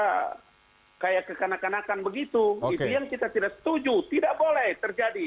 karena kayak kekanakan kanakan begitu itu yang kita tidak setuju tidak boleh terjadi